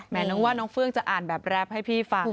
น้องว่าน้องเฟื่องจะอ่านแบบแรปให้พี่ฟัง